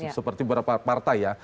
seperti beberapa partai ya